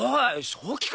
正気か？